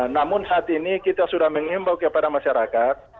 namun saat ini kita sudah mengimbau kepada masyarakat